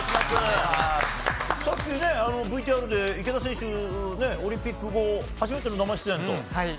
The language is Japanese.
さっきＶＴＲで池田選手はオリンピック後初めての生出演と。